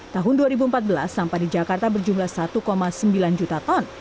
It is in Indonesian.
tahun dua ribu empat belas sampah di jakarta berjumlah satu sembilan juta ton